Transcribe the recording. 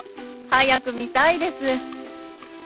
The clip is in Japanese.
早く見たいです。